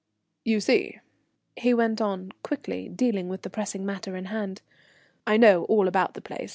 "You see," he went on, quickly, dealing with the pressing matter in hand, "I know all about the place.